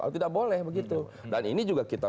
tidak boleh begitu dan ini juga kita